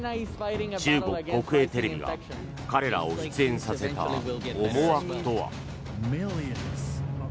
中国国営テレビが彼らを出演させた思惑とは。